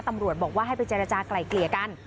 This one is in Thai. ตำรวจบอกว่าให้ไปเจรจากลายเกลี่ยกัน